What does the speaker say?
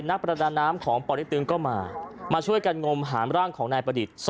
นักประดาน้ำของปริตึงก็มามาช่วยกันงมหามร่างของนายประดิษฐ์